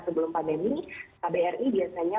sebelum pandemi kbri biasanya